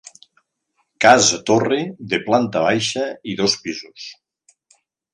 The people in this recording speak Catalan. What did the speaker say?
Casa-torre de planta baixa i dos pisos.